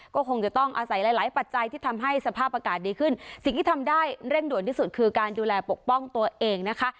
ก็คงจะต้องอาศัยหลายหลายปัจจัยที่ทำให้สภาพอากาศดีขึ้นสิ่งที่ทำได้เร่งด่วนที่สุดคือการดูแลปกป้องตัวเองนะคะ